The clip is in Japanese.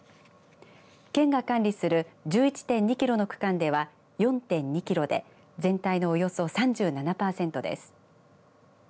県が管理する１１．２キロの区間では４．２キロで全体のおよそ３７パーセントです。